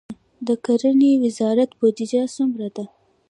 د کرنې وزارت بودیجه څومره ده؟